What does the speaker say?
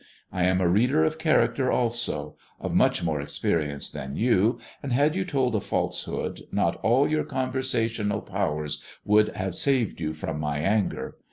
I am a reader of character also, of much more experience than you, and had you told a falsehood, not all your conversational powers would have saved you from my anger.